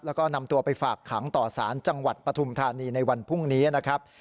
แล้วก็นำตัวไปฝากขังต่อสารจังหวัดปฐุมธานีในวันพรุ่งนี้นะครับ